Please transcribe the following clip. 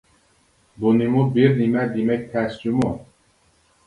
بۇنىمۇ بىر نېمە دېمەك تەس جۇمۇ.